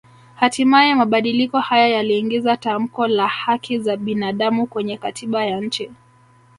Hatimaye mabadiliko haya yaliingiza tamko la haki za binaadamu kwenye katiba ya nchi